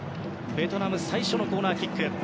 ベトナム最初のコーナーキック。